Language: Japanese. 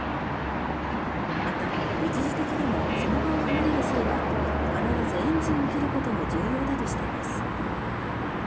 また、一時的でもその場を離れる際は必ずエンジンを切ることも重要だとしています。